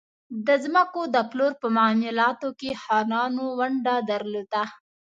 د ځمکو د پلور په معاملاتو کې خانانو ونډه درلوده.